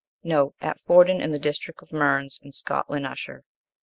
At Fordun, in the district of Mearns, in Scotland Usher.